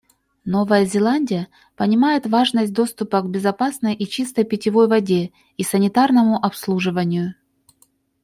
Новая Зеландия понимает важность доступа к безопасной и чистой питьевой воде и санитарному обслуживанию.